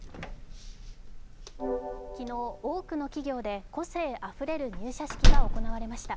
昨日、多くの企業で個性あふれる入社式が行われました。